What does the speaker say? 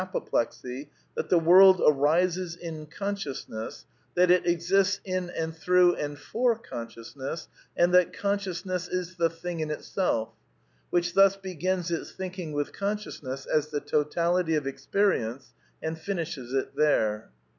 ^qpoplexy, that the world arises in consciousness, that it SOME QUESTIONS OF METAPHYSICS 113 exists in and through and for consciousness, and thgLfiOP' sci oasness is the ^^ Thing in Itsel f '^; which thus begins its thinking with consciousness as the totality of experience, and finishes it there.